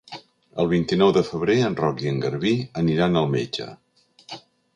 El vint-i-nou de febrer en Roc i en Garbí aniran al metge.